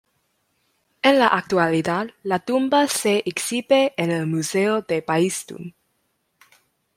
En la actualidad, la tumba se exhibe en el museo de Paestum.